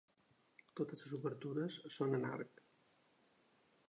Totes les obertures són en arc.